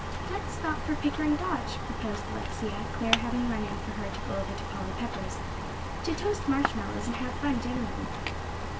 "Let's stop for Pickering Dodge," proposed Alexia, Clare having run in for her to go over to Polly Pepper's, "to toast marshmallows and have fun generally."